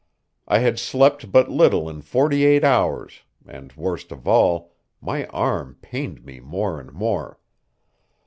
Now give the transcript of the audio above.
I had slept but little in forty eight hours, and, worst of all, my arm pained me more and more.